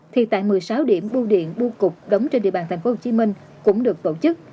thì tại một mươi sáu điểm bưu điện bu cục đóng trên địa bàn tp hcm cũng được tổ chức